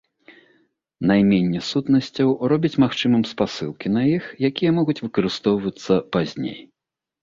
Найменне сутнасцяў робіць магчымым спасылкі на іх, якія могуць выкарыстоўвацца пазней.